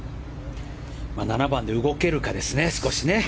７番で動けるかですね。